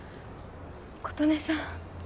琴音さん